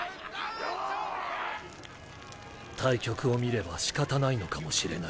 大局を見れば仕方ないのかもしれない。